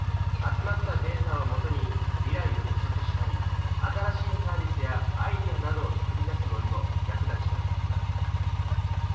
集まったデータをもとに未来を予測したり新しいサービスやアイデアなどを作り出すのにも役立ちます。